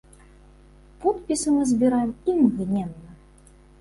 Подпісы мы збіраем імгненна!